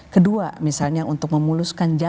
kedua misalnya untuk memuluskan jadwal